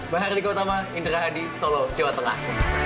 bahar di kota ma indra hadi solo jawa tengah